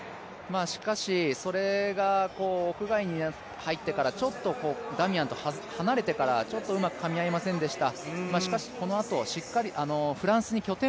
しかし、それが屋外に入ってから、ダミアンと離れてからちょっとうまくかみ合いませんでした。